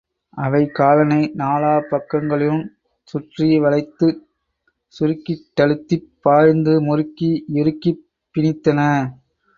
அவை காலனை நாலா பக்கங்களிலுஞ் சுற்றி வளைத்துச் சுருக்கிட்டழுத்திப் பாய்ந்து முறுக்கி யிறுக்கிப் பிணித்தன.